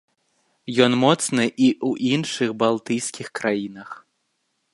Ён моцны і ў іншых балтыйскіх краінах.